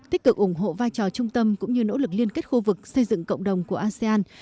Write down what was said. tích cực ủng hộ vai trò trung tâm cũng như nỗ lực liên kết khu vực xây dựng cộng đồng của asean